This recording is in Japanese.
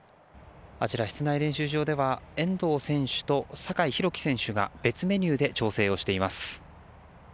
あちら室内練習場では遠藤選手と酒井宏樹選手が別メニューで調整しています。